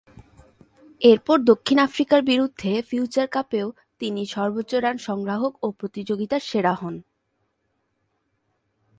এরপর দক্ষিণ আফ্রিকার বিরুদ্ধে ফিউচার কাপেও তিনি সর্বোচ্চ রান সংগ্রাহক ও প্রতিযোগিতার সেরা হন।